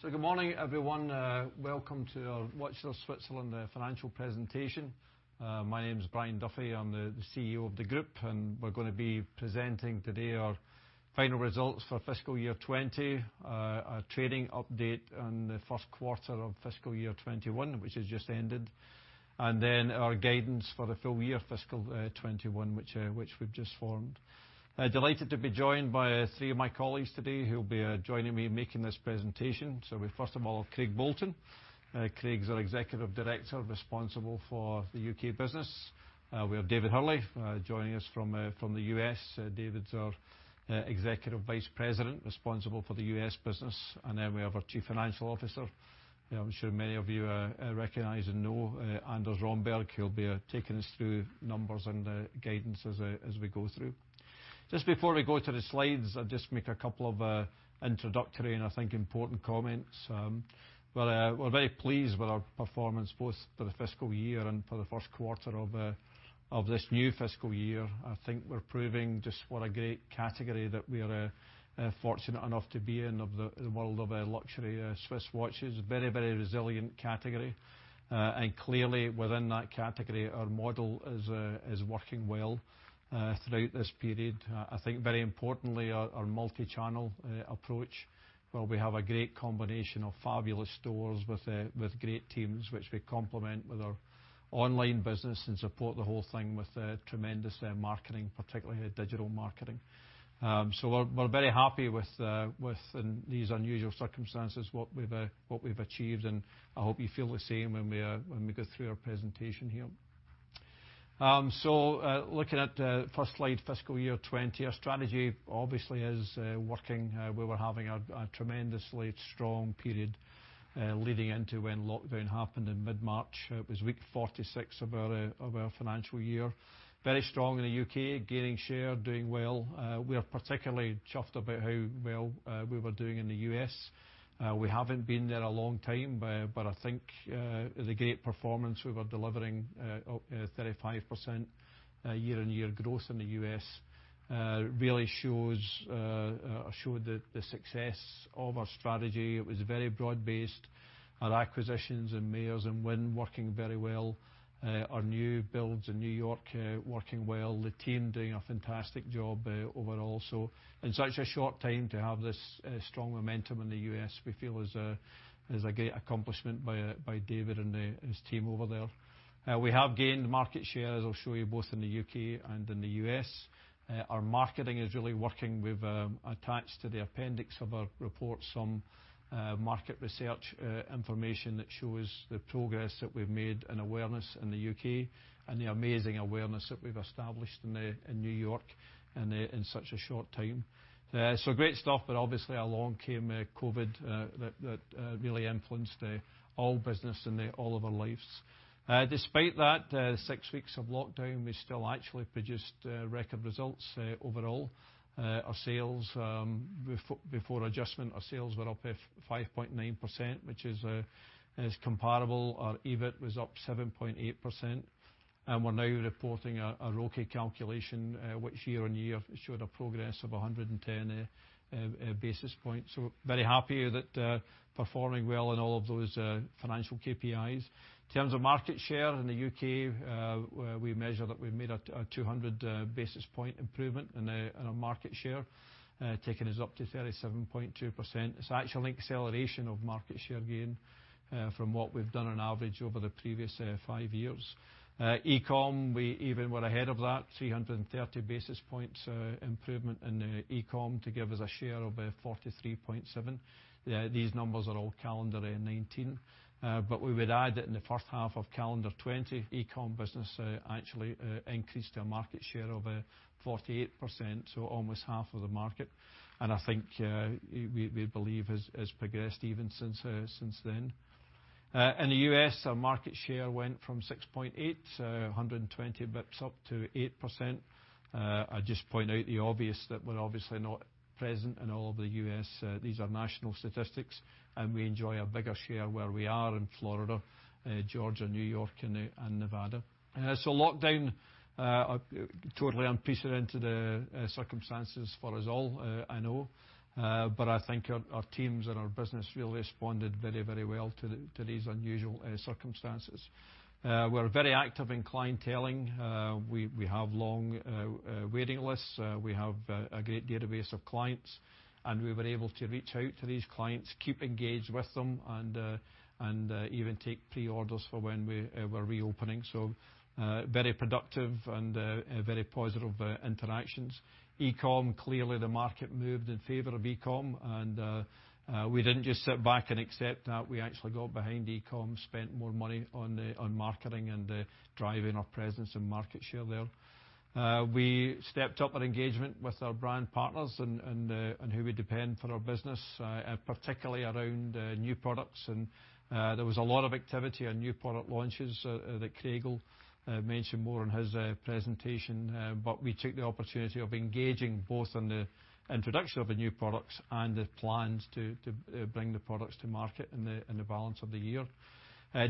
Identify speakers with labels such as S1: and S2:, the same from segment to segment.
S1: Good morning, everyone. Welcome to our Watches of Switzerland financial presentation. My name is Brian Duffy. I'm the CEO of the group, and we're going to be presenting today our final results for fiscal year 2020, our trading update on the first quarter of fiscal year 2021, which has just ended, and then our guidance for the full year fiscal 2021, which we've just formed. Delighted to be joined by three of my colleagues today who will be joining me in making this presentation. We first of all have Craig Bolton. Craig's our Executive Director responsible for the U.K. business. We have David Hurley joining us from the U.S. David's our Executive Vice President responsible for the U.S. business. We have our Chief Financial Officer, who I'm sure many of you recognize and know, Anders Romberg. He'll be taking us through numbers and guidance as we go through. Just before we go to the slides, I'll just make a couple of introductory and I think important comments. We're very pleased with our performance both for the fiscal year and for the first quarter of this new fiscal year. I think we're proving just what a great category that we are fortunate enough to be in, of the world of luxury Swiss watches. Very resilient category. Clearly within that category, our model is working well throughout this period. I think very importantly, our multi-channel approach, where we have a great combination of fabulous stores with great teams, which we complement with our online business and support the whole thing with tremendous marketing, particularly digital marketing. We're very happy with, in these unusual circumstances, what we've achieved, and I hope you feel the same when we go through our presentation here. Looking at the first slide, fiscal year 2020. Our strategy obviously is working. We were having a tremendously strong period leading into when lockdown happened in mid-March. It was week 46 of our financial year. Very strong in the U.K., gaining share, doing well. We are particularly chuffed about how well we were doing in the U.S. We haven't been there a long time, but I think the great performance we were delivering, 35% year-on-year growth in the U.S., really showed the success of our strategy. It was very broad based. Our acquisitions in Mayors and Wynn working very well. Our new builds in New York working well. The team doing a fantastic job overall. In such a short time to have this strong momentum in the U.S. we feel is a great accomplishment by David and his team over there. We have gained market share, as I'll show you, both in the U.K. and in the U.S. Our marketing is really working. We've attached to the appendix of our report some market research information that shows the progress that we've made in awareness in the U.K. and the amazing awareness that we've established in New York in such a short time. Great stuff, but obviously along came COVID that really influenced all business and all of our lives. Despite that six weeks of lockdown, we still actually produced record results overall. Our sales, before adjustment, our sales were up 5.9%, which is comparable. Our EBIT was up 7.8%. We're now reporting a ROCE calculation, which year-on-year showed a progress of 110 basis points. Very happy that performing well in all of those financial KPIs. In terms of market share in the U.K., we measure that we've made a 200 basis point improvement in our market share, taking us up to 37.2%. It's actually an acceleration of market share gain from what we've done on average over the previous five years. ecom, we even were ahead of that, 330 basis points improvement in ecom to give us a share of 43.7%. We would add that in the first half of calendar 2020, ecom business actually increased to a market share of 48%, so almost half of the market. I think we believe has progressed even since then. In the U.S., our market share went from 6.8%, 120 basis points up to 8%. I'd just point out the obvious that we're obviously not present in all of the U.S. These are national statistics, and we enjoy a bigger share where we are in Florida, Georgia, New York, and Nevada. Lockdown, totally unprecedented circumstances for us all, I know. I think our teams and our business really responded very well to these unusual circumstances. We're very active in clienteling. We have long waiting lists. We have a great database of clients, and we were able to reach out to these clients, keep engaged with them, and even take pre-orders for when we were reopening. Very productive and very positive interactions. ecom, clearly the market moved in favor of ecom, and we didn't just sit back and accept that. We actually got behind ecom, spent more money on marketing and driving our presence and market share there. We stepped up our engagement with our brand partners and who we depend for our business, particularly around new products. There was a lot of activity on new product launches that Craig will mention more in his presentation. We took the opportunity of engaging both on the introduction of the new products and the plans to bring the products to market in the balance of the year.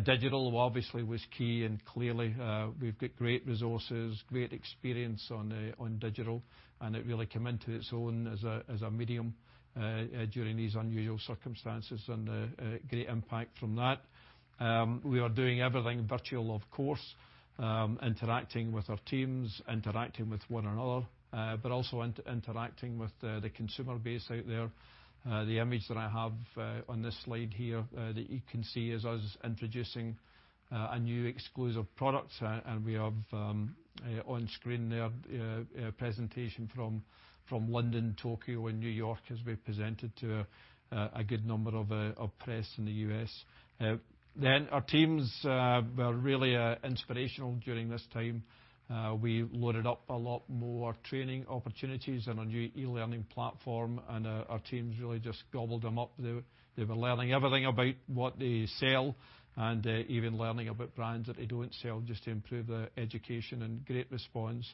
S1: Digital obviously was key, and clearly we've got great resources, great experience on digital, and it really came into its own as a medium during these unusual circumstances, and a great impact from that. We are doing everything virtual, of course, interacting with our teams, interacting with one another, but also interacting with the consumer base out there. The image that I have on this slide here that you can see is us introducing a new exclusive product, and we have on screen there a presentation from London, Tokyo, and New York as we presented to a good number of press in the U.S. Our teams were really inspirational during this time. We loaded up a lot more training opportunities and a new e-learning platform, and our teams really just gobbled them up. They were learning everything about what they sell, and even learning about brands that they don't sell, just to improve their education, and great response.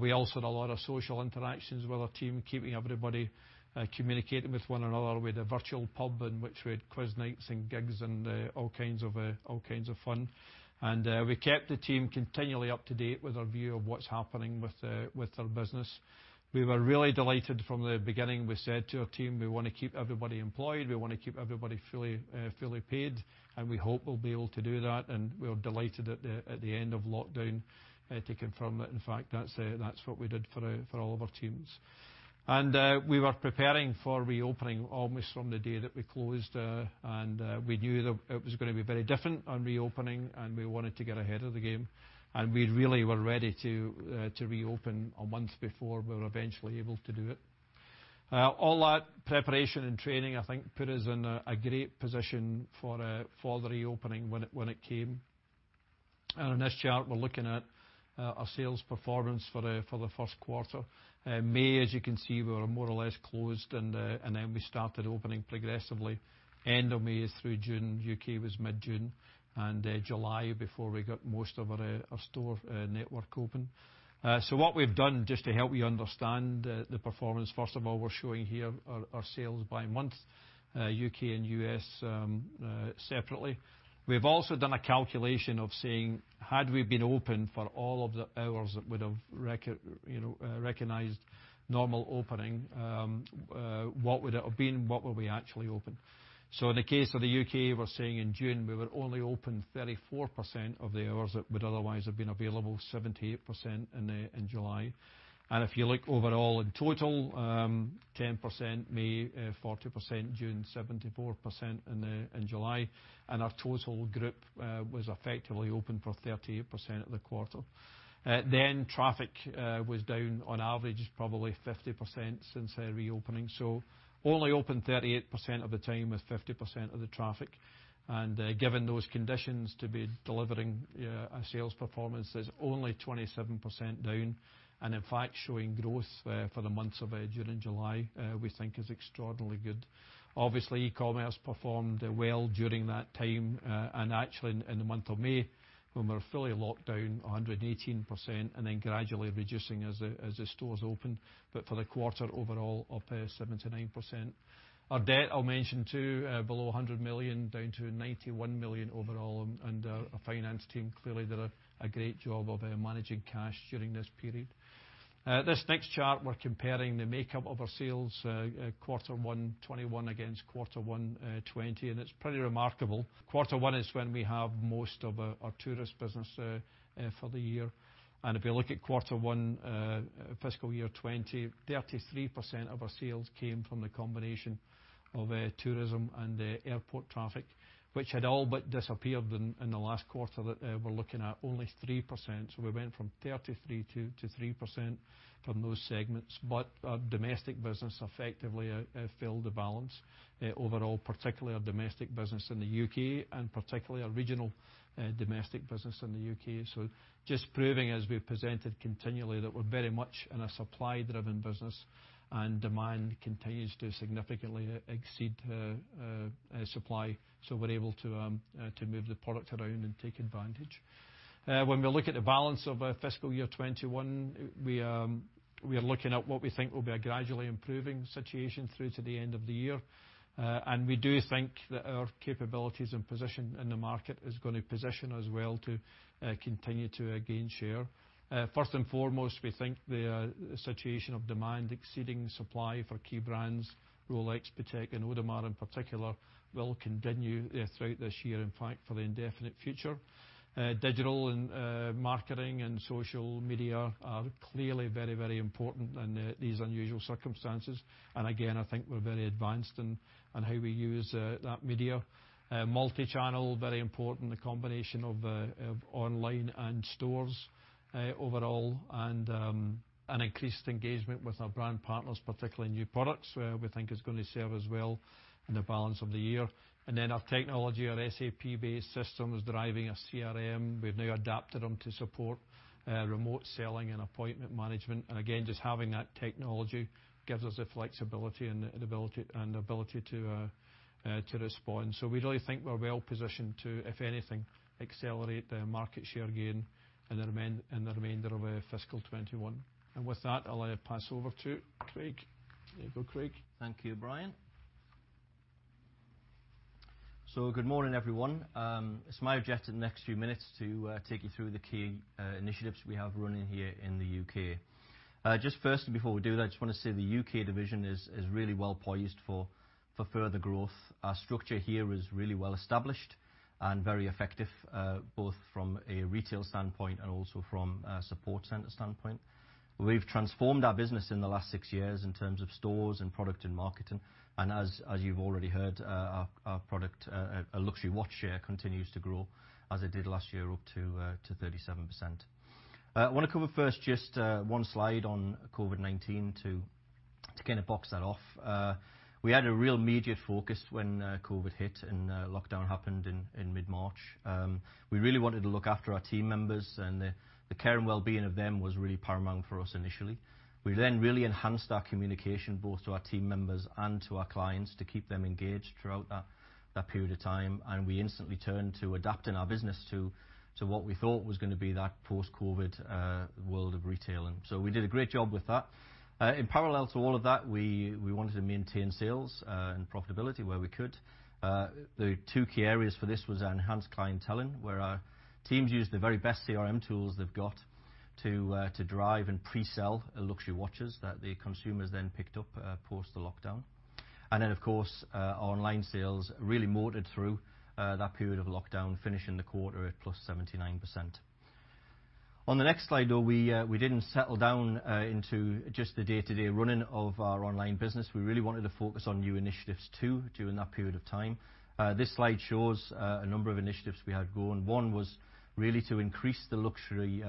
S1: We also had a lot of social interactions with our team, keeping everybody communicating with one another. We had a virtual pub in which we had quiz nights and gigs and all kinds of fun. We kept the team continually up to date with our view of what's happening with our business. We were really delighted from the beginning. We said to our team, we wanna keep everybody employed, we wanna keep everybody fully paid, and we hope we'll be able to do that. We were delighted at the end of lockdown to confirm that, in fact, that's what we did for all of our teams. We were preparing for reopening almost from the day that we closed. We knew that it was gonna be very different on reopening, and we wanted to get ahead of the game. We really were ready to reopen a month before we were eventually able to do it. All that preparation and training, I think, put us in a great position for the reopening when it came. On this chart, we're looking at our sales performance for the first quarter. May, as you can see, we were more or less closed, and then we started opening progressively end of May through June. U.K. was mid-June, and July before we got most of our store network open. What we've done, just to help you understand the performance, first of all, we're showing here our sales by month, U.K. and U.S. separately. We've also done a calculation of saying, had we been open for all of the hours that we'd have recognized normal opening, what would it have been? What were we actually open? In the case of the U.K., we're saying in June we were only open 34% of the hours that would otherwise have been available, 78% in July. If you look overall, in total, 10% May, 40% June, 74% in July, our total group was effectively open for 38% of the quarter. Traffic was down on average probably 50% since reopening. Only open 38% of the time with 50% of the traffic. Given those conditions to be delivering a sales performance that's only 27% down, and in fact showing growth for the months of June and July, we think is extraordinarily good. Obviously, e-commerce performed well during that time. Actually, in the month of May, when we were fully locked down, 118%, and then gradually reducing as the stores opened. For the quarter overall, up 79%. Our debt, I'll mention too, below 100 million, down to 91 million overall. Our finance team clearly did a great job of managing cash during this period. This next chart, we're comparing the makeup of our sales quarter one 2021 against quarter one 2020. It's pretty remarkable. Quarter one is when we have most of our tourist business for the year. If we look at quarter one fiscal year 2020, 33% of our sales came from the combination of tourism and airport traffic, which had all but disappeared in the last quarter that we're looking at, only 3%. We went from 33% to 3% from those segments. Our domestic business effectively filled the balance overall, particularly our domestic business in the U.K., and particularly our regional domestic business in the U.K. Just proving, as we've presented continually, that we're very much in a supply-driven business, and demand continues to significantly exceed supply, so we're able to move the product around and take advantage. When we look at the balance of fiscal year 2021, we are looking at what we think will be a gradually improving situation through to the end of the year. We do think that our capabilities and position in the market is gonna position us well to continue to gain share. First and foremost, we think the situation of demand exceeding supply for key brands, Rolex, Patek, and Audemars in particular, will continue throughout this year, in fact, for the indefinite future. Digital and marketing and social media are clearly very, very important in these unusual circumstances. Again, I think we're very advanced in how we use that media. Multichannel, very important, the combination of online and stores overall. An increased engagement with our brand partners, particularly new products, we think is gonna serve us well in the balance of the year. Our technology, our SAP-based systems driving our CRM, we've now adapted them to support remote selling and appointment management. Again, just having that technology gives us the flexibility and ability to respond. We really think we're well positioned to, if anything, accelerate the market share gain in the remainder of fiscal 2021. With that, I'll hand pass over to Craig. There you go, Craig.
S2: Thank you, Brian. Good morning, everyone. It's my job in the next few minutes to take you through the key initiatives we have running here in the U.K. Just firstly, before we do that, I just want to say the U.K. division is really well poised for further growth. Our structure here is really well established and very effective, both from a retail standpoint and also from a support centre standpoint. We've transformed our business in the last six years in terms of stores and product and marketing. As you've already heard, our product, our luxury watch share continues to grow as it did last year, up to 37%. I want to cover first just one slide on COVID-19 to kind of box that off. We had a real immediate focus when COVID hit and lockdown happened in mid-March. We really wanted to look after our team members, and the care and wellbeing of them was really paramount for us initially. We then really enhanced our communication both to our team members and to our clients to keep them engaged throughout that period of time. We instantly turned to adapting our business to what we thought was going to be that post-COVID world of retailing. We did a great job with that. In parallel to all of that, we wanted to maintain sales and profitability where we could. The two key areas for this was our enhanced clientele, where our teams used the very best CRM tools they've got to drive and pre-sell luxury watches that the consumers then picked up post the lockdown. Of course, our online sales really motored through that period of lockdown, finishing the quarter at +79%. On the next slide, we didn't settle down into just the day-to-day running of our online business. We really wanted to focus on new initiatives, too, during that period of time. This slide shows a number of initiatives we had going. One was really to increase the luxury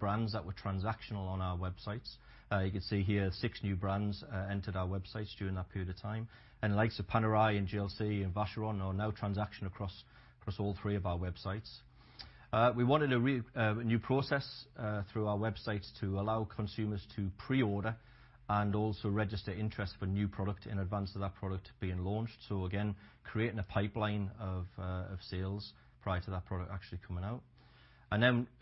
S2: brands that were transactional on our websites. You can see here six new brands entered our websites during that period of time. The likes of Panerai and JLC and Vacheron are now transactional across all three of our websites. We wanted a new process through our websites to allow consumers to pre-order and also register interest for new product in advance of that product being launched. Again, creating a pipeline of sales prior to that product actually coming out.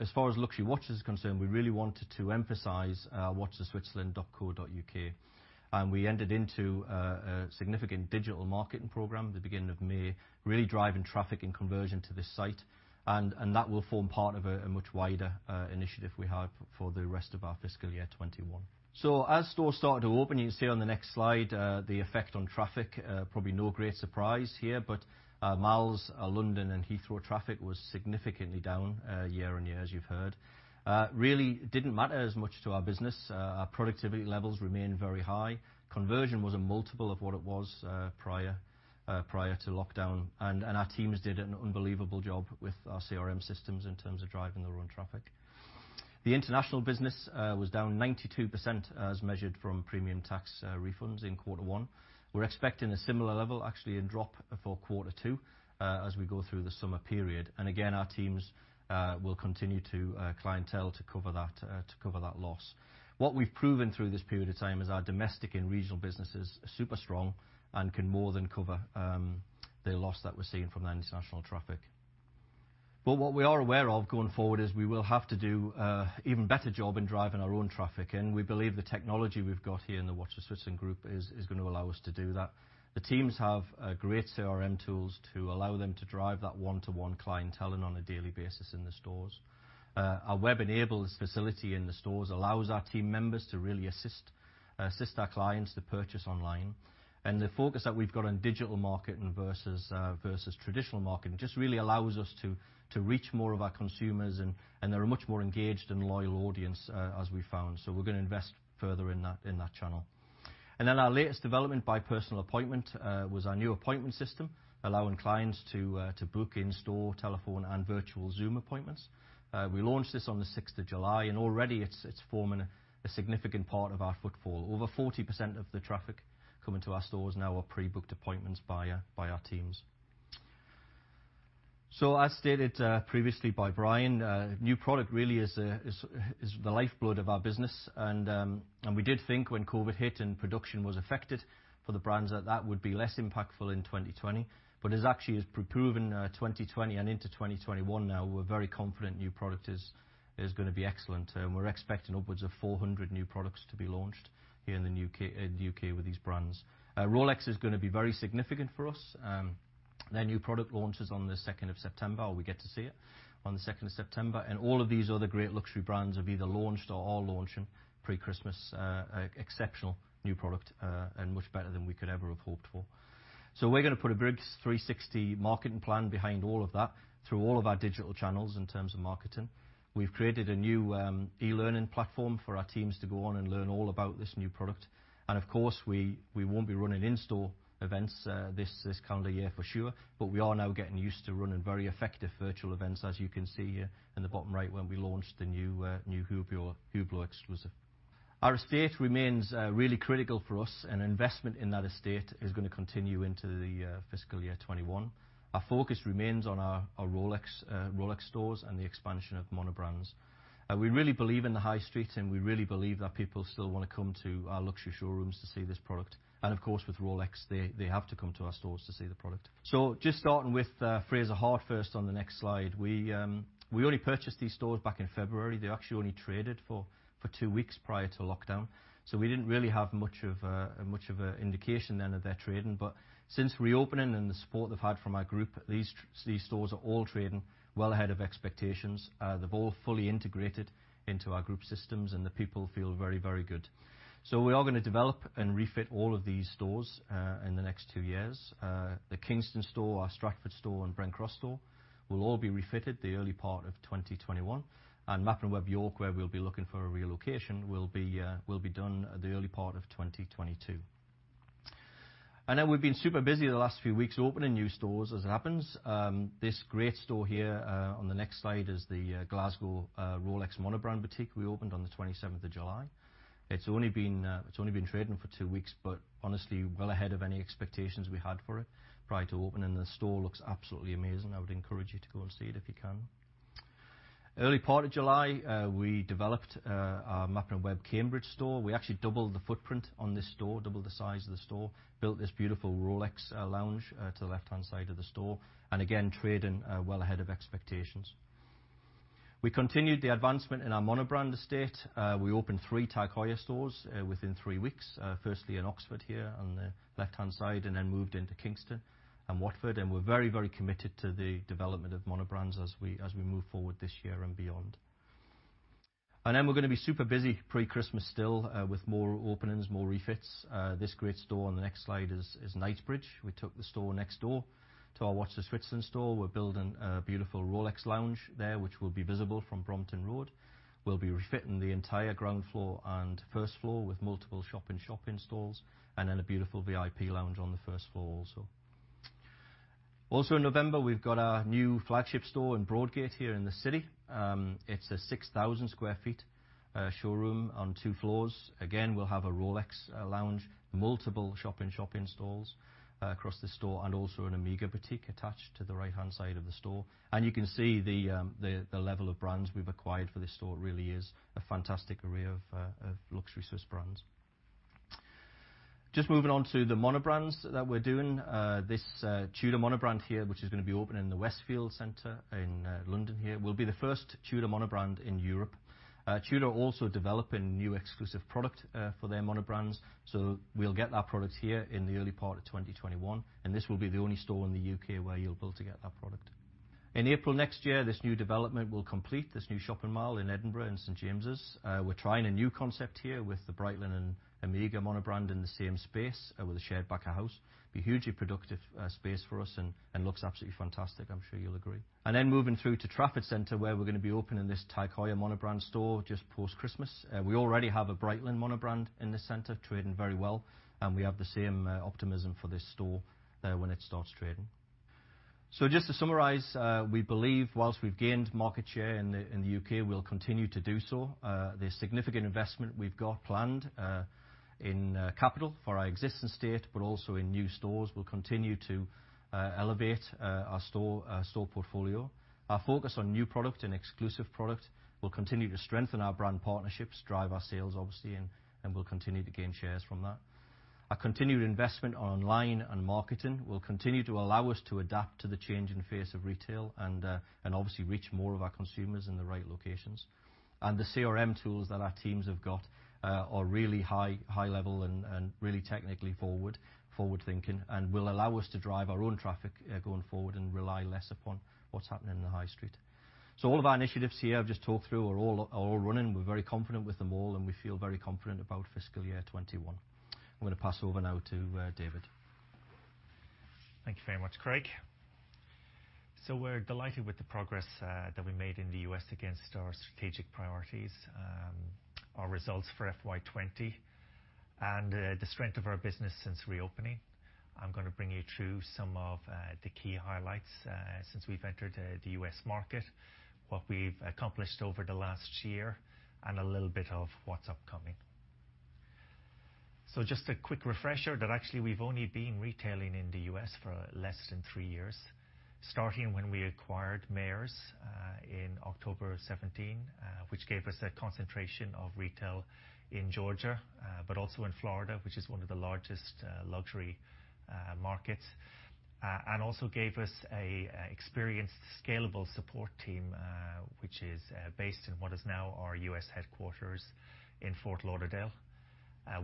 S2: As far as luxury watches are concerned, we really wanted to emphasize watches-of-switzerland.co.uk. We entered into a significant digital marketing program at the beginning of May, really driving traffic and conversion to this site, and that will form part of a much wider initiative we have for the rest of our fiscal year 2021. As stores started to open, you can see on the next slide, the effect on traffic, probably no great surprise here, but malls, London, and Heathrow traffic was significantly down year-over-year, as you've heard. Really didn't matter as much to our business. Our productivity levels remained very high. Conversion was a multiple of what it was prior to lockdown, and our teams did an unbelievable job with our CRM systems in terms of driving their own traffic. The international business was down 92% as measured from premium tax refunds in quarter one. We're expecting a similar level, actually, in drop for quarter two as we go through the summer period. Again, our teams will continue to clientele to cover that loss. What we've proven through this period of time is our domestic and regional businesses are super strong and can more than cover the loss that we're seeing from the international traffic. What we are aware of going forward is we will have to do an even better job in driving our own traffic. We believe the technology we've got here in the Watches of Switzerland Group is going to allow us to do that. The teams have great CRM tools to allow them to drive that one-to-one clientele on a daily basis in the stores. Our web-enables facility in the stores allows our team members to really assist our clients to purchase online. The focus that we've got on digital marketing versus traditional marketing just really allows us to reach more of our consumers, and they're a much more engaged and loyal audience, as we found. We're going to invest further in that channel. Our latest development By Personal Appointment was our new appointment system, allowing clients to book in-store, telephone, and virtual Zoom appointments. We launched this on the 6th of July, and already it's forming a significant part of our footfall. Over 40% of the traffic coming to our stores now are pre-booked appointments by our teams. As stated previously by Brian, new product really is the lifeblood of our business, and we did think when COVID hit and production was affected for the brands that that would be less impactful in 2020, but actually, as proven 2020 and into 2021 now, we're very confident new product is going to be excellent. We're expecting upwards of 400 new products to be launched here in the U.K. with these brands. Rolex is going to be very significant for us. Their new product launches on the 2nd of September. We get to see it on the 2nd of September. All of these other great luxury brands have either launched or are launching pre-Christmas exceptional new product, and much better than we could ever have hoped for. We're going to put a big 360 marketing plan behind all of that through all of our digital channels in terms of marketing. We've created a new e-learning platform for our teams to go on and learn all about this new product. Of course, we won't be running in-store events this calendar year for sure, but we are now getting used to running very effective virtual events, as you can see here in the bottom right when we launched the new Hublot exclusive. Our estate remains really critical for us, and investment in that estate is going to continue into the fiscal year 2021. Our focus remains on our Rolex stores and the expansion of monobrand. We really believe in the high street, and we really believe that people still want to come to our luxury showrooms to see this product. Of course, with Rolex, they have to come to our stores to see the product. Just starting with Fraser Hart first on the next slide. We only purchased these stores back in February. They actually only traded for two weeks prior to lockdown. We didn't really have much of an indication then of their trading. Since reopening and the support they've had from our group, these stores are all trading well ahead of expectations. They've all fully integrated into our group systems and the people feel very, very good. We are going to develop and refit all of these stores in the next two years. The Kingston store, our Stratford store, and Brent Cross store will all be refitted the early part of 2021. Mappin & Webb York, where we'll be looking for a relocation, will be done the early part of 2022. Then we've been super busy the last few weeks opening new stores, as it happens. This great store here, on the next slide, is the Glasgow Rolex monobrand boutique we opened on the 27th of July. It's only been trading for two weeks, but honestly, well ahead of any expectations we had for it prior to opening. The store looks absolutely amazing. I would encourage you to go and see it if you can. Early part of July, we developed our Mappin & Webb Cambridge store. We actually doubled the footprint on this store, doubled the size of the store, built this beautiful Rolex lounge to the left-hand side of the store, and again, trading well ahead of expectations. We continued the advancement in our monobrand estate. We opened three TAG Heuer stores within three weeks. Firstly, in Oxford here, on the left-hand side, and then moved into Kingston and Watford, and we're very, very committed to the development of monobrand as we move forward this year and beyond. Then we're going to be super busy pre-Christmas still with more openings, more refits. This great store on the next slide is Knightsbridge. We took the store next door to our Watches of Switzerland store. We're building a beautiful Rolex lounge there which will be visible from Brompton Road. We'll be refitting the entire ground floor and first floor with multiple shop in shop installs, and then a beautiful VIP lounge on the first floor also. Also in November, we've got our new flagship store in Broadgate here in the city. It's a 6,000 sq ft showroom on two floors. We'll have a Rolex lounge, multiple shop in shop installs across the store, and also an Omega boutique attached to the right-hand side of the store. You can see the level of brands we've acquired for this store. It really is a fantastic array of luxury Swiss brands. Just moving on to the monobrand that we're doing. This Tudor monobrand here, which is going to be opening in the Westfield Centre in London here, will be the first Tudor monobrand in Europe. Tudor are also developing new exclusive product for their monobrand. We'll get that product here in the early part of 2021, and this will be the only store in the U.K. where you'll be able to get that product. In April next year, this new development will complete this new shopping mall in Edinburgh in St. James's. We're trying a new concept here with the Breitling and Omega monobrand in the same space with a shared back-of-house. It'll be hugely productive space for us and looks absolutely fantastic. I'm sure you'll agree. Moving through to Trafford Centre where we're going to be opening this TAG Heuer monobrand store just post-Christmas. We already have a Breitling monobrand in the centre trading very well, and we have the same optimism for this store there when it starts trading. Just to summarize, we believe whilst we've gained market share in the U.K., we'll continue to do so. The significant investment we've got planned in capital for our existing estate, but also in new stores will continue to elevate our store portfolio. Our focus on new product and exclusive product will continue to strengthen our brand partnerships, drive our sales obviously, and we'll continue to gain shares from that. Our continued investment online and marketing will continue to allow us to adapt to the change and face of retail and obviously reach more of our consumers in the right locations. The CRM tools that our teams have got are really high level and really technically forward thinking and will allow us to drive our own traffic going forward and rely less upon what's happening in the high street. All of our initiatives here I've just talked through are all running. We're very confident with them all, and we feel very confident about fiscal year 2021. I'm going to pass over now to David.
S3: Thank you very much, Craig. We're delighted with the progress that we made in the U.S. against our strategic priorities, our results for FY 2020, and the strength of our business since reopening. I'm going to bring you through some of the key highlights since we've entered the U.S. market, what we've accomplished over the last year, and a little bit of what's upcoming. Just a quick refresher that actually we've only been retailing in the U.S. for less than three years, starting when we acquired Mayors in October of 2017 which gave us a concentration of retail in Georgia, but also in Florida, which is one of the largest luxury markets, and also gave us a experienced, scalable support team, which is based in what is now our U.S. headquarters in Fort Lauderdale.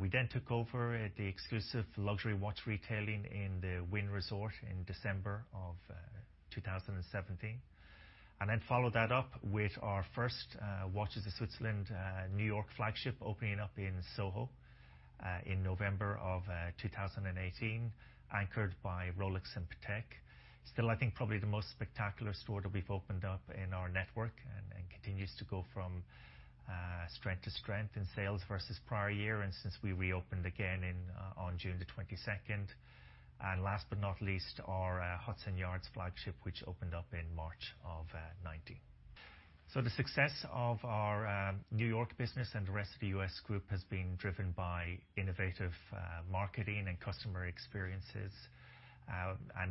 S3: We took over the exclusive luxury watch retailing in the Wynn Resort in December of 2017, followed that up with our first Watches of Switzerland New York flagship opening up in SoHo in November of 2018, anchored by Rolex and Patek. Still, I think probably the most spectacular store that we've opened up in our network and continues to go from strength to strength in sales versus prior year and since we reopened again on June the 22nd. Last but not least, our Hudson Yards flagship, which opened up in March of 2019. The success of our New York business and the rest of the U.S. group has been driven by innovative marketing and customer experiences.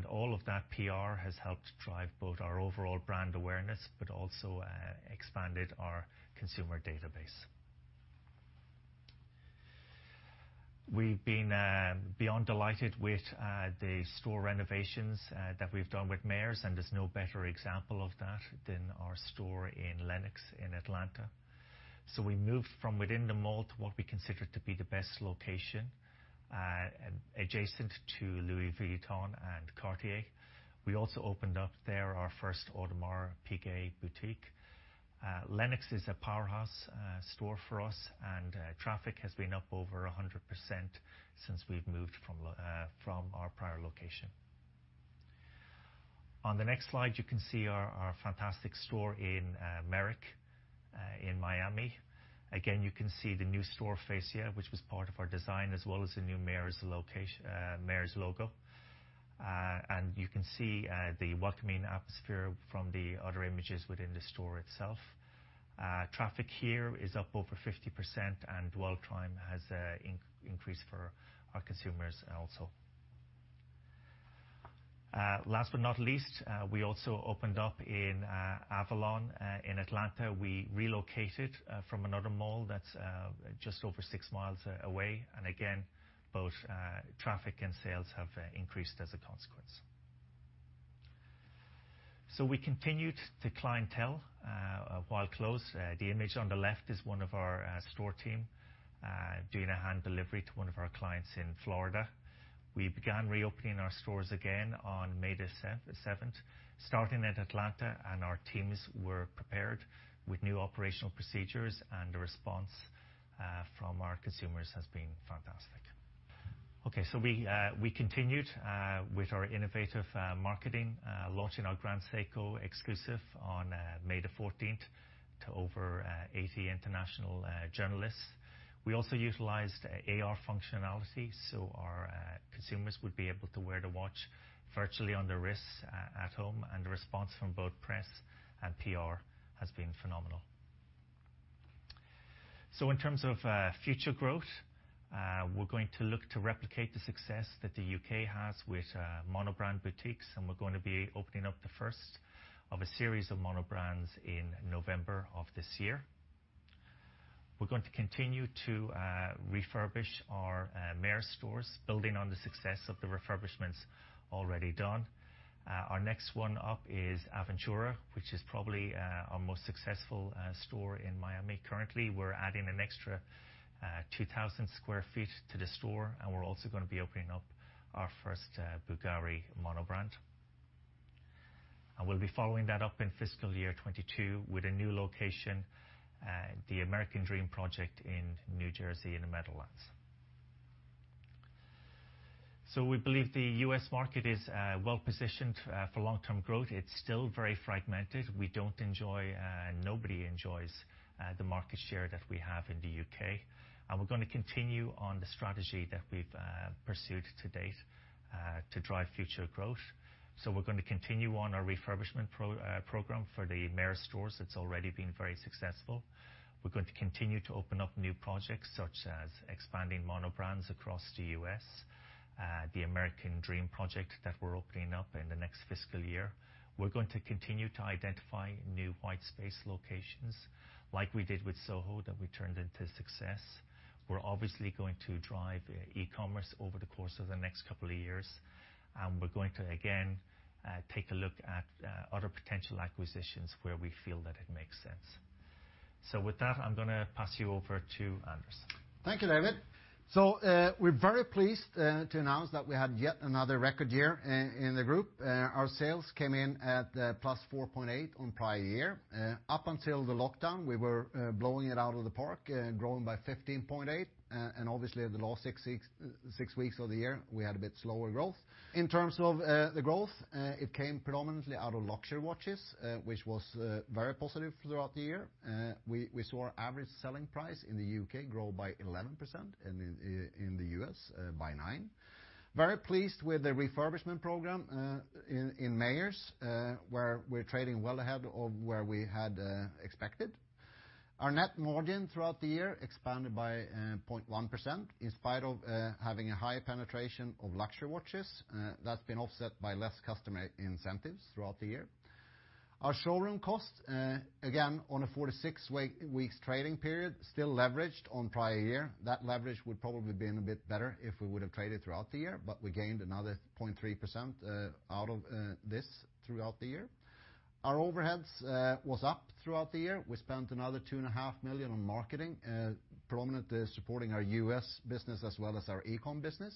S3: All of that PR has helped drive both our overall brand awareness, but also expanded our consumer database. We've been beyond delighted with the store renovations that we've done with Mayors, and there's no better example of that than our store in Lenox in Atlanta. We moved from within the mall to what we consider to be the best location, adjacent to Louis Vuitton and Cartier. We also opened up there for our first Audemars Piguet boutique. Lenox is a powerhouse store for us, and traffic has been up over 100% since we've moved from our prior location. On the next slide, you can see our fantastic store in Merrick, in Miami. Again, you can see the new store fascia, which was part of our design, as well as the new Mayors logo. You can see the welcoming atmosphere from the other images within the store itself. Traffic here is up over 50%, and dwell time has increased for our consumers also. Last but not least, we also opened up in Avalon, in Atlanta. We relocated from another mall that's just over 6 mi away. Again, both traffic and sales have increased as a consequence. We continued to clientele while closed. The image on the left is one of our store team doing a hand delivery to one of our clients in Florida. We began reopening our stores again on May the 7th, starting at Atlanta. Our teams were prepared with new operational procedures. The response from our consumers has been fantastic. Okay, we continued with our innovative marketing, launching our Grand Seiko exclusive on May the 14th to over 80 international journalists. We also utilized AR functionality so our consumers would be able to wear the watch virtually on their wrists at home. The response from both press and PR has been phenomenal. In terms of future growth, we're going to look to replicate the success that the U.K. has with monobrand boutiques, and we're going to be opening up the first of a series of monobrands in November of this year. We're going to continue to refurbish our Mayors stores, building on the success of the refurbishments already done. Our next one up is Aventura, which is probably our most successful store in Miami. Currently, we're adding an extra 2,000 sq ft to the store, and we're also going to be opening up our first Bulgari monobrand. We'll be following that up in fiscal year 2022 with a new location, the American Dream project in New Jersey in the Meadowlands. We believe the U.S. market is well-positioned for long-term growth. It's still very fragmented. We don't enjoy, nobody enjoys the market share that we have in the U.K. We're going to continue on the strategy that we've pursued to date to drive future growth. We're going to continue on our refurbishment program for the Mayors stores. It's already been very successful. We're going to continue to open up new projects, such as expanding monobrands across the U.S., the American Dream project that we're opening up in the next fiscal year. We're going to continue to identify new white space locations like we did with SoHo that we turned into success. We're obviously going to drive e-commerce over the course of the next couple of years. We're going to, again, take a look at other potential acquisitions where we feel that it makes sense. With that, I'm going to pass you over to Anders.
S4: Thank you, David. We're very pleased to announce that we had yet another record year in the group. Our sales came in at +4.8% on prior year. Up until the lockdown, we were blowing it out of the park, growing by 15.8%. Obviously, in the last six weeks of the year, we had a bit slower growth. In terms of the growth, it came predominantly out of luxury watches, which was very positive throughout the year. We saw our average selling price in the U.K. grow by 11%, and in the U.S. by 9%. Very pleased with the refurbishment program in Mayors, where we're trading well ahead of where we had expected. Our net margin throughout the year expanded by 0.1%, in spite of having a high penetration of luxury watches. That's been offset by less customer incentives throughout the year. Our showroom costs, again, on a 46 weeks trading period, still leveraged on prior year. That leverage would probably have been a bit better if we would have traded throughout the year, but we gained another 0.3% out of this throughout the year. Our overheads was up throughout the year. We spent another 2.5 million on marketing, prominently supporting our U.S. business as well as our ecom business.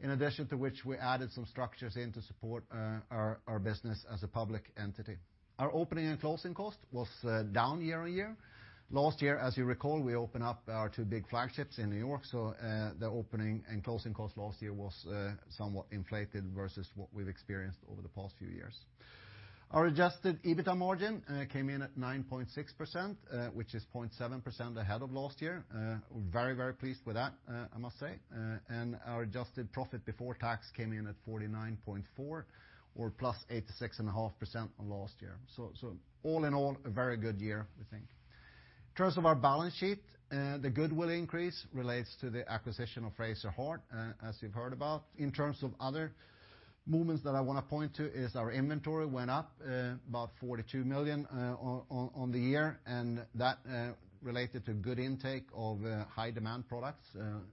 S4: In addition to which, we added some structures in to support our business as a public entity. Our opening and closing cost was down year-on-year. Last year, as you recall, we opened up our two big flagships in New York, the opening and closing cost last year was somewhat inflated versus what we've experienced over the past few years. Our adjusted EBITDA margin came in at 9.6%, which is 0.7% ahead of last year. Very, very pleased with that, I must say. Our adjusted profit before tax came in at 49.4 million, or +86.5% on last year. All in all, a very good year, we think. In terms of our balance sheet, the goodwill increase relates to the acquisition of Fraser Hart, as you've heard about. In terms of other movements that I want to point to is our inventory went up about 42 million on the year, and that related to good intake of high-demand products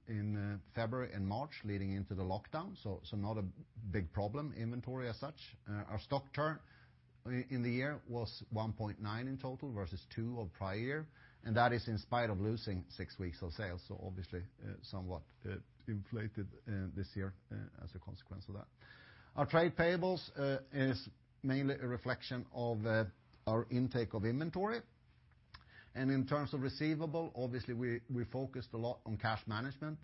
S4: in February and March leading into the lockdown. Not a big problem, inventory as such. Our stock turn in the year was 1.9x in total versus 2x of prior year, and that is in spite of losing six weeks of sales, so obviously somewhat inflated this year as a consequence of that. Our trade payables is mainly a reflection of our intake of inventory. In terms of receivable, obviously, we focused a lot on cash management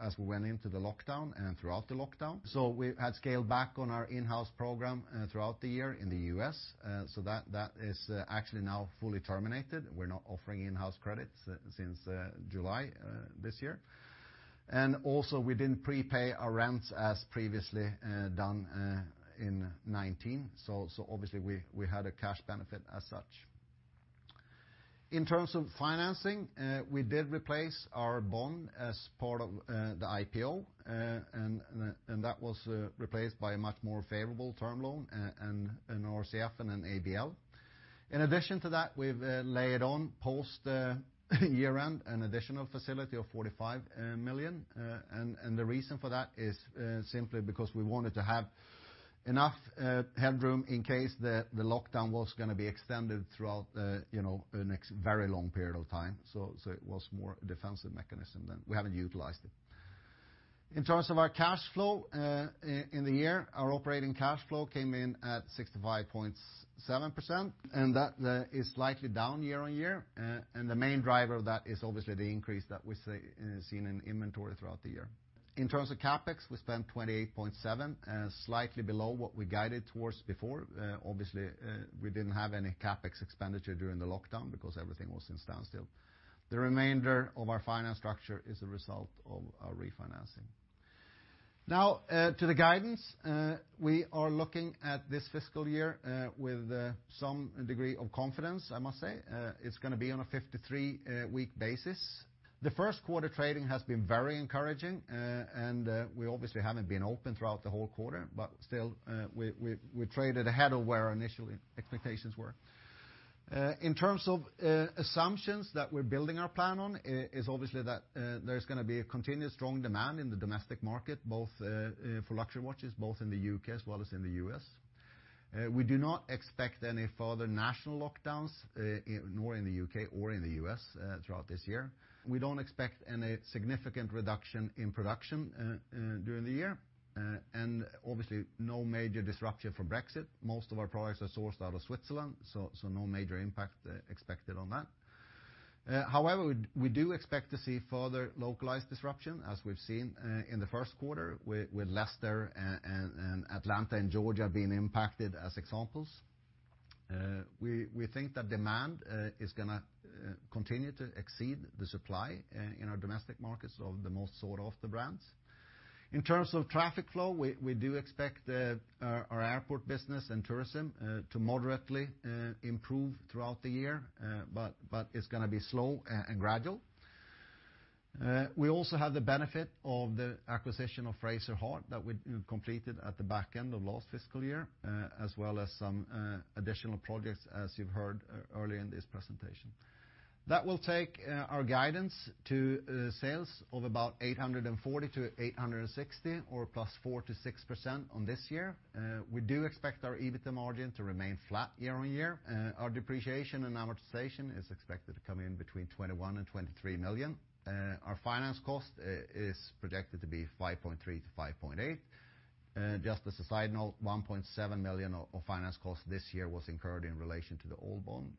S4: as we went into the lockdown and throughout the lockdown. We had scaled back on our in-house program throughout the year in the U.S., that is actually now fully terminated. We're not offering in-house credits since July this year. Also we didn't prepay our rents as previously done in 2019. Obviously we had a cash benefit as such. In terms of financing, we did replace our bond as part of the IPO. That was replaced by a much more favorable term loan and an RCF and an ABL. In addition to that, we've layered on post year-end, an additional facility of 45 million. The reason for that is simply because we wanted to have enough headroom in case the lockdown was going to be extended throughout the next very long period of time. It was more a defensive mechanism then. We haven't utilized it. In terms of our cash flow, in the year, our operating cash flow came in at 65.7%. That is slightly down year-on-year. The main driver of that is obviously the increase that we're seeing in inventory throughout the year. In terms of CapEx, we spent 28.7, slightly below what we guided towards before. Obviously, we didn't have any CapEx expenditure during the lockdown because everything was in standstill. The remainder of our finance structure is a result of our refinancing. To the guidance. We are looking at this fiscal year with some degree of confidence, I must say. It's going to be on a 53-week basis. The first quarter trading has been very encouraging, and we obviously haven't been open throughout the whole quarter, but still, we traded ahead of where our initial expectations were. In terms of assumptions that we're building our plan on is obviously that there's going to be a continuous strong demand in the domestic market, both for luxury watches, both in the U.K. as well as in the U.S. We do not expect any further national lockdowns, nor in the U.K. or in the U.S., throughout this year. We don't expect any significant reduction in production during the year. Obviously no major disruption from Brexit. Most of our products are sourced out of Switzerland, so no major impact expected on that. We do expect to see further localized disruption, as we've seen in the first quarter with Leicester and Atlanta and Georgia being impacted as examples. We think that demand is going to continue to exceed the supply in our domestic markets of the most sought-after brands. In terms of traffic flow, we do expect our airport business and tourism to moderately improve throughout the year, but it's going to be slow and gradual. We also have the benefit of the acquisition of Fraser Hart that we completed at the back end of last fiscal year, as well as some additional projects as you've heard earlier in this presentation. That will take our guidance to sales of about 840 million-860 million or +4%-6% on this year. We do expect our EBITDA margin to remain flat year-on-year. Our depreciation and amortization is expected to come in between 21 million and 23 million. Our finance cost is projected to be 5.3 million-5.8 million. Just as a side note, 1.7 million of finance cost this year was incurred in relation to the old bond.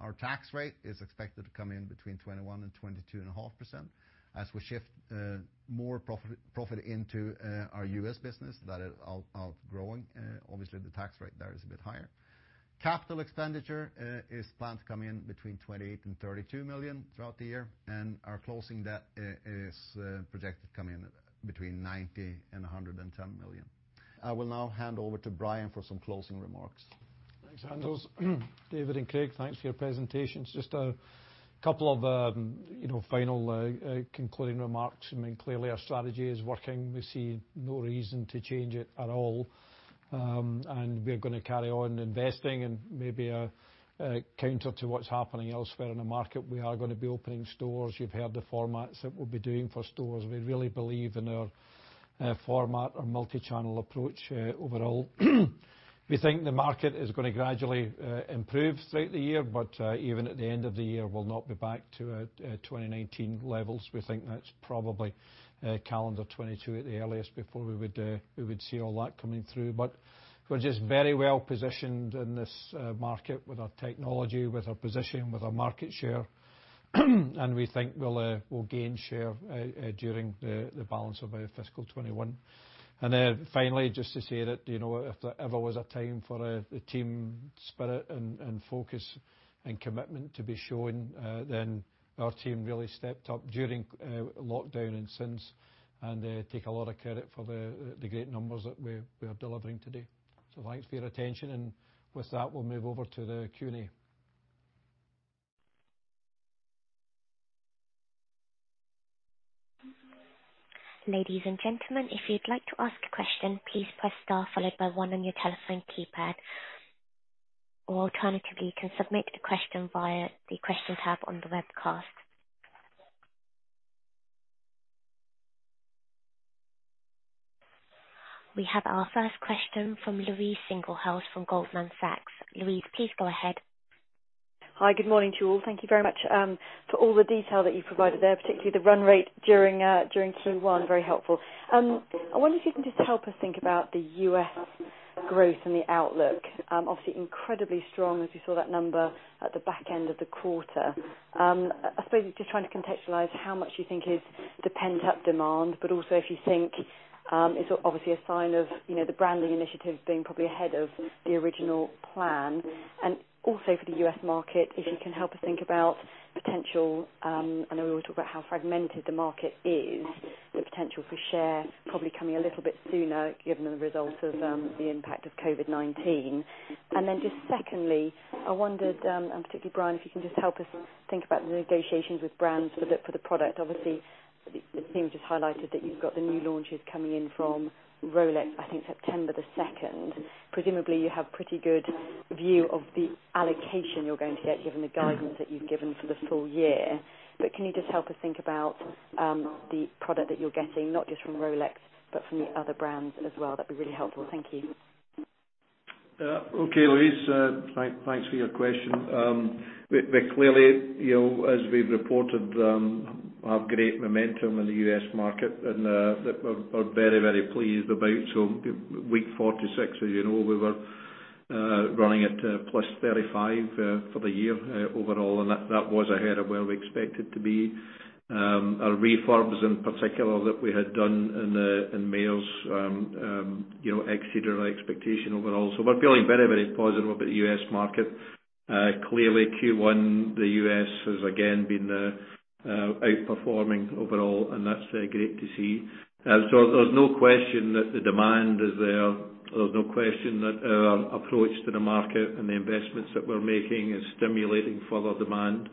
S4: Our tax rate is expected to come in between 21% and 22.5% as we shift more profit into our U.S. business that are outgrowing. Obviously, the tax rate there is a bit higher. Capital expenditure is planned to come in between 28 million and 32 million throughout the year, and our closing debt is projected to come in between 90 million and 110 million. I will now hand over to Brian for some closing remarks.
S1: Thanks, Anders. David and Craig, thanks for your presentations. Just a couple of final concluding remarks. Clearly, our strategy is working. We see no reason to change it at all. We're going to carry on investing and maybe a counter to what's happening elsewhere in the market. We are going to be opening stores. You've heard the formats that we'll be doing for stores. We really believe in our format, our multi-channel approach overall. We think the market is going to gradually improve throughout the year. Even at the end of the year, we'll not be back to our 2019 levels. We think that's probably calendar 2022 at the earliest before we would see all that coming through. We're just very well positioned in this market with our technology, with our position, with our market share, and we think we'll gain share during the balance of our fiscal 2021. Finally, just to say that if there ever was a time for team spirit and focus and commitment to be shown, our team really stepped up during lockdown and since, and take a lot of credit for the great numbers that we are delivering today. Thanks for your attention, and with that, we'll move over to the Q&A.
S5: Ladies and gentlemen, if you'd like to ask a question, please press star followed by one on your telephone keypad. Alternatively, you can submit the question via the Questions tab on the webcast. We have our first question from Louise Singlehurst from Goldman Sachs. Louise, please go ahead.
S6: Hi. Good morning to you all. Thank you very much for all the detail that you provided there, particularly the run rate during Q1. Very helpful. I wonder if you can just help us think about the U.S. growth and the outlook. Obviously incredibly strong as you saw that number at the back end of the quarter. I suppose just trying to contextualize how much you think is the pent-up demand, but also if you think it's obviously a sign of the branding initiatives being probably ahead of the original plan. Also for the U.S. market, if you can help us think about potential, I know we talk about how fragmented the market is, the potential for share probably coming a little bit sooner given the results of the impact of COVID-19. Then just secondly, I wondered, and particularly Brian, if you can just help us think about the negotiations with brands for the product. Obviously, it seems just highlighted that you've got the new launches coming in from Rolex, I think, September the 2nd. Presumably, you have pretty good view of the allocation you're going to get, given the guidance that you've given for the full year. Can you just help us think about the product that you're getting, not just from Rolex, but from the other brands as well? That'd be really helpful. Thank you.
S1: Okay, Louise. Thanks for your question. We clearly, as we've reported, have great momentum in the U.S. market. We're very, very pleased about. Week 46, as you know, we were running at +35% for the year overall. That was ahead of where we expected to be. Our refurbs in particular that we had done in Mayors exceeded our expectation overall. We're feeling very, very positive about the U.S. market. Clearly Q1, the U.S. has again been outperforming overall. That's great to see. There's no question that the demand is there. There's no question that our approach to the market and the investments that we're making is stimulating further demand.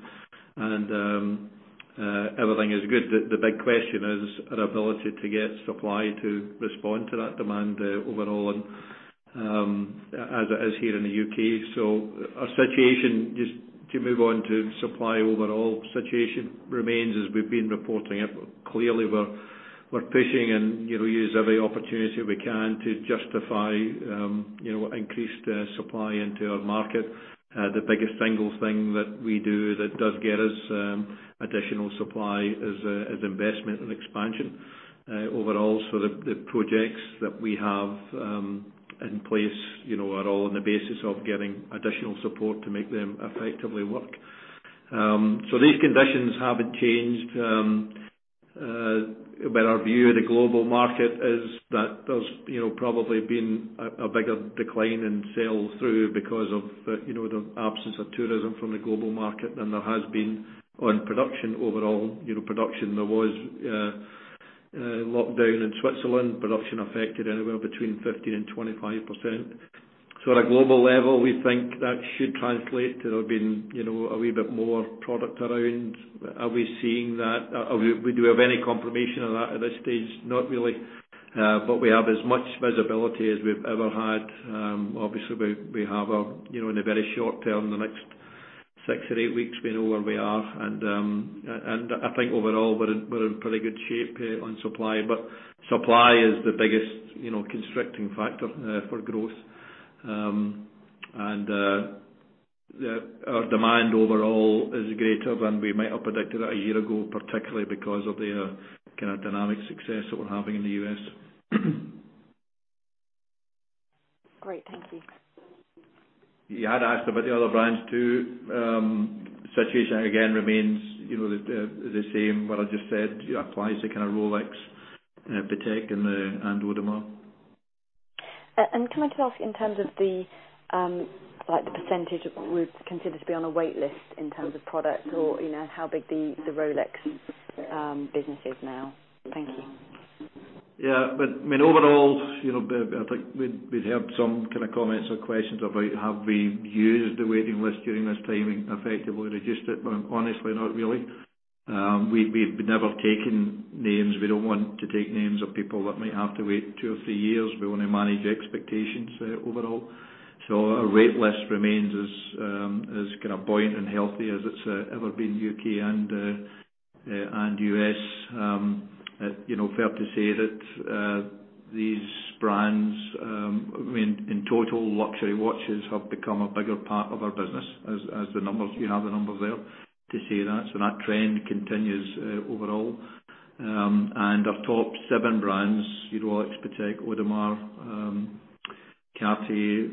S1: Everything is good. The big question is our ability to get supply to respond to that demand overall as it is here in the U.K. Our situation, just to move on to supply overall situation remains as we've been reporting it. Clearly, we're pushing and use every opportunity we can to justify increased supply into our market. The biggest single thing that we do that does get us additional supply is investment and expansion overall. The projects that we have in place are all on the basis of getting additional support to make them effectively work. These conditions haven't changed. Our view of the global market is that there's probably been a bigger decline in sales through because of the absence of tourism from the global market than there has been on production overall. Production, there was a lockdown in Switzerland. Production affected anywhere between 15% and 25%. At a global level, we think that should translate to there being a wee bit more product around. Are we seeing that? Do we have any confirmation of that at this stage? Not really. We have as much visibility as we've ever had. Obviously, we have in the very short term, the next six or eight weeks, we know where we are. I think overall we're in pretty good shape on supply, but supply is the biggest constricting factor for growth. Our demand overall is greater than we might have predicted it a year ago, particularly because of the kind of dynamic success that we're having in the U.S.
S6: Great. Thank you.
S1: You had asked about the other brands, too. Situation again remains the same. What I just said applies to kind of Rolex, Patek, and Audemars.
S6: Can I just ask in terms of the percentage would consider to be on a wait list in terms of product or how big the Rolex business is now? Thank you.
S1: Yeah. Overall, I think we'd heard some kind of comments or questions about have we used the waiting list during this time and effectively reduced it. Honestly, not really. We've never taken names. We don't want to take names of people that might have to wait two or three years. We want to manage expectations overall. Our wait list remains as kind of buoyant and healthy as it's ever been in U.K. and U.S. Fair to say that these brands, in total luxury watches have become a bigger part of our business as the numbers, you have the numbers there to see that. That trend continues overall. Our top seven brands, Rolex, Patek, Audemars, Cartier,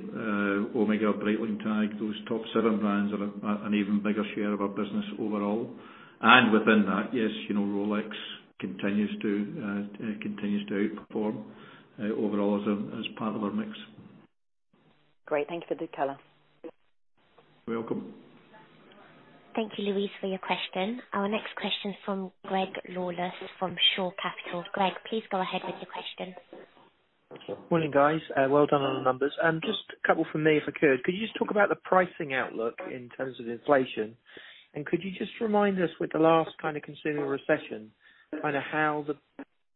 S1: Omega, Breitling, TAG, those top seven brands are an even bigger share of our business overall. Within that, yes, Rolex continues to outperform overall as part of our mix.
S6: Great. Thank you for the color.
S1: You're welcome.
S5: Thank you, Louise, for your question. Our next question from Greg Lawless from Shore Capital. Greg, please go ahead with your question.
S7: Morning, guys. Well done on the numbers. Just a couple from me, if I could. Could you just talk about the pricing outlook in terms of inflation? Could you just remind us with the last kind of consumer recession, kind of how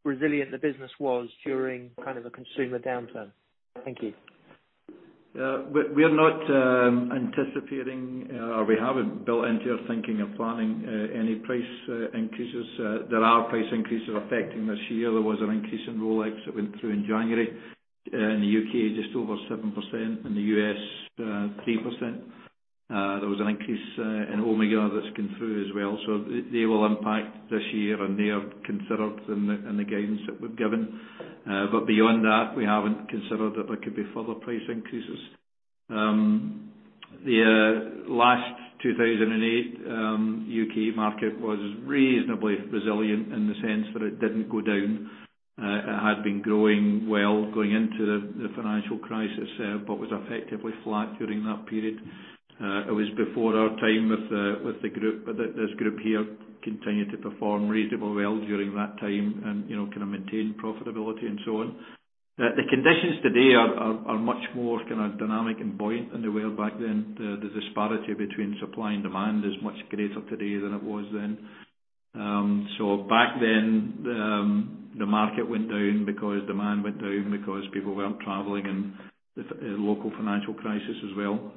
S7: resilient the business was during kind of a consumer downturn? Thank you.
S1: We are not anticipating or we haven't built into our thinking and planning any price increases. There are price increases affecting this year. There was an increase in Rolex that went through in January in the U.K., just over 7%. In the U.S., 3%. There was an increase in Omega that's come through as well. They will impact this year, and they are considered in the guidance that we've given. Beyond that, we haven't considered that there could be further price increases. The last 2008 U.K. market was reasonably resilient in the sense that it didn't go down. It had been growing well going into the financial crisis, but was effectively flat during that period. It was before our time with this group here, continued to perform reasonably well during that time and kind of maintained profitability and so on. The conditions today are much more kind of dynamic and buoyant than they were back then. The disparity between supply and demand is much greater today than it was then. Back then, the market went down because demand went down because people weren't traveling and the local financial crisis as well.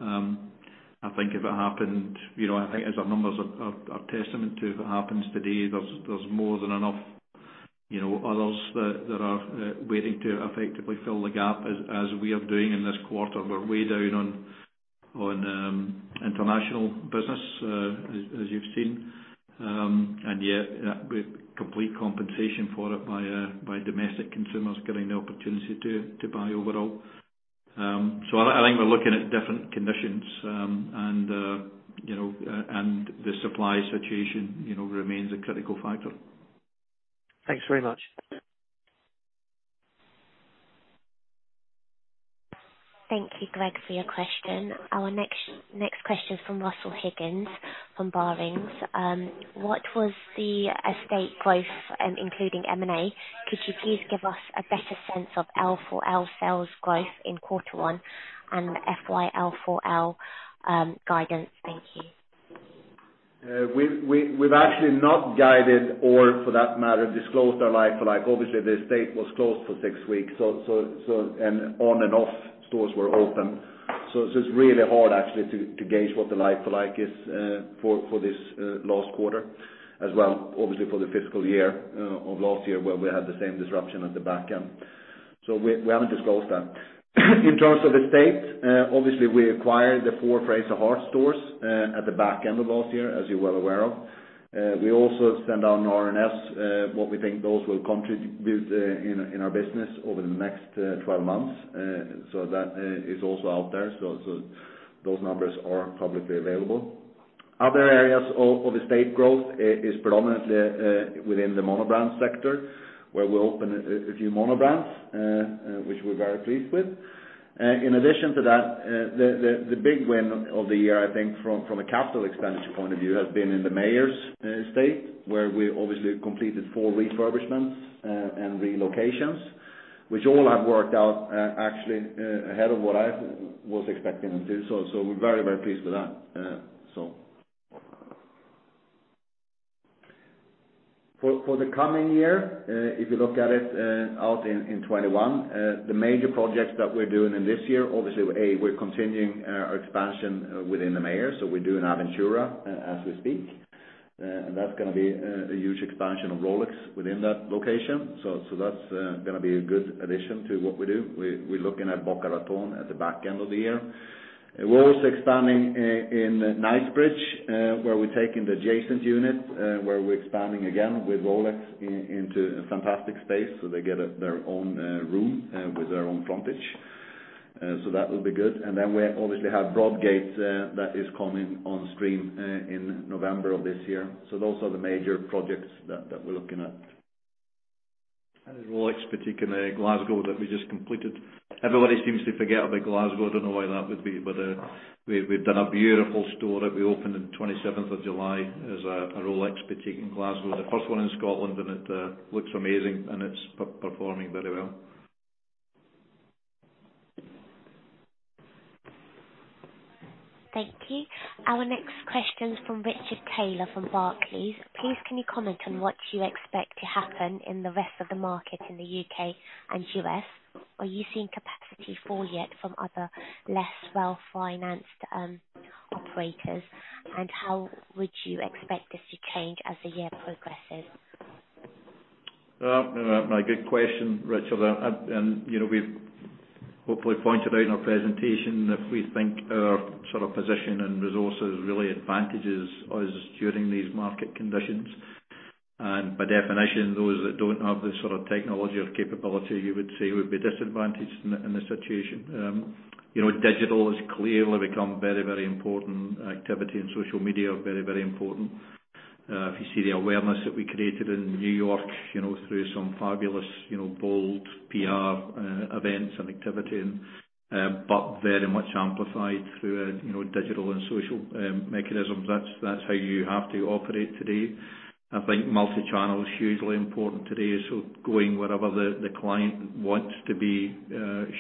S1: I think as our numbers are testament to, if it happens today, there's more than enough others that are waiting to effectively fill the gap, as we are doing in this quarter. We're way down on international business, as you've seen, and yet complete compensation for it by domestic consumers getting the opportunity to buy overall. I think we're looking at different conditions, and the supply situation remains a critical factor.
S7: Thanks very much.
S5: Thank you, Greg, for your question. Our next question is from Russel Higgins from Barings. What was the estate growth, including M&A? Could you please give us a better sense of LFL sales growth in quarter one and FY LFL guidance? Thank you.
S1: We've actually not guided or for that matter, disclosed our like-for-like. Obviously, the estate was closed for six weeks, and on and off stores were open. It's just really hard actually to gauge what the like-for-like is for this last quarter as well, obviously for the fiscal year of last year, where we had the same disruption at the back end. We haven't disclosed that. In terms of estate, obviously we acquired the four Fraser Hart stores, at the back end of last year, as you're well aware of. We also sent out an RNS, what we think those will contribute in our business over the next 12 months. That is also out there. Those numbers are publicly available. Other areas of estate growth is predominantly within the monobrand sector, where we opened a few monobrand, which we're very pleased with. The big win of the year, I think from a capital expenditure point-of-view, has been in the Mayors estate, where we obviously completed four refurbishments and relocations, which all have worked out actually ahead of what I was expecting them to. We're very, very pleased with that. For the coming year, if you look at it out in 2021, the major projects that we're doing in this year, obviously, A, we're continuing our expansion within the Mayors. We're doing Aventura as we speak. That's going to be a huge expansion of Rolex within that location. That's going to be a good addition to what we do. We're looking at Boca Raton at the back end of the year. We're also expanding in Knightsbridge, where we're taking the adjacent unit, where we're expanding again with Rolex into a fantastic space. They get their own room with their own frontage. That will be good. Then we obviously have Broadgate that is coming on stream in November of this year. Those are the major projects that we're looking at. The Rolex boutique in Glasgow that we just completed. Everybody seems to forget about Glasgow. I don't know why that would be, we've done a beautiful store that we opened on 27th of July as a Rolex boutique in Glasgow, the first one in Scotland, it looks amazing and it's performing very well.
S5: Thank you. Our next question is from Richard Taylor from Barclays. Please, can you comment on what you expect to happen in the rest of the market in the U.K. and U.S.? Are you seeing capacity fall yet from other less well-financed operators? How would you expect this to change as the year progresses?
S1: A good question, Richard. We've hopefully pointed out in our presentation that we think our sort of position and resources really advantages us during these market conditions. By definition, those that don't have the sort of technology or capability you would say would be disadvantaged in this situation. Digital has clearly become very, very important. Activity in social media are very, very important. If you see the awareness that we created in New York through some fabulous bold PR events and activity, but very much amplified through digital and social mechanisms, that's how you have to operate today. I think multi-channel is hugely important today. Going wherever the client wants to be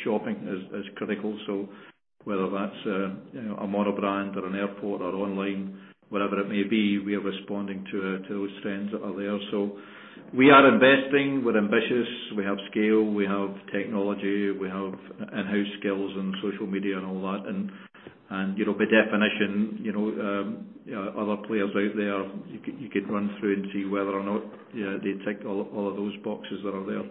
S1: shopping is critical. Whether that's a monobrand or an airport or online, whatever it may be, we are responding to those trends that are there. We are investing, we're ambitious, we have scale, we have technology, we have in-house skills in social media and all that. By definition, other players out there, you could run through and see whether or not they tick all of those boxes that are there.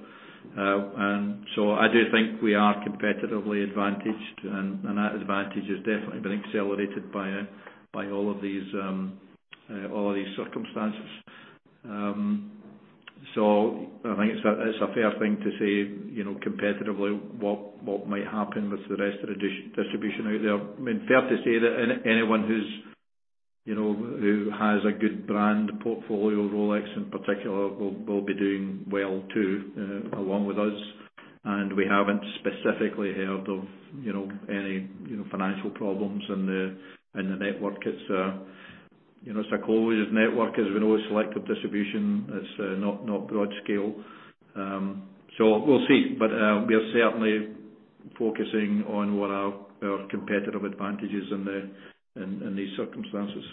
S1: I do think we are competitively advantaged, and that advantage has definitely been accelerated by all of these circumstances. I think it's a fair thing to say, competitively, what might happen with the rest of the distribution out there. Fair to say that anyone who has a good brand portfolio, Rolex in particular, will be doing well too, along with us, and we haven't specifically heard of any financial problems in the network. It's a closed network, as we know, selective distribution. It's not broad scale. We'll see. We are certainly focusing on what are our competitive advantages in these circumstances.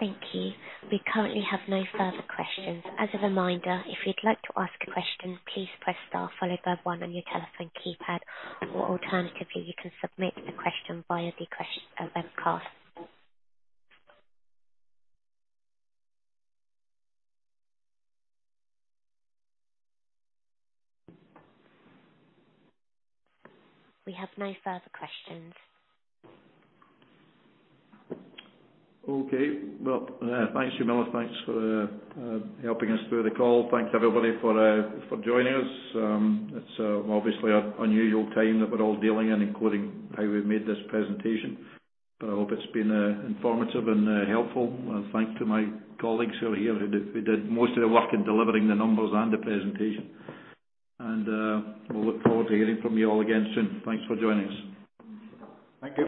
S5: Thank you. We currently have no further questions. As a reminder, if you'd like to ask a question, please press star followed by one on your telephone keypad, or alternatively, you can submit the question via the webcast. We have no further questions.
S1: Okay. Well, thanks, Jamila. Thanks for helping us through the call. Thanks, everybody, for joining us. It's obviously an unusual time that we're all dealing in, including how we've made this presentation, but I hope it's been informative and helpful. Thanks to my colleagues who are here, who did most of the work in delivering the numbers and the presentation. We'll look forward to hearing from you all again soon. Thanks for joining us.
S4: Thank you.